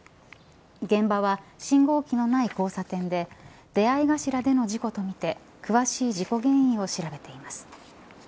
現場は信号機のない交差点で出合い頭での事故とみて詳しい事故原因を調べています。